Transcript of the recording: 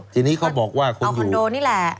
ทีนี้เขาบอกว่าคนในคอนโดนี่แหละ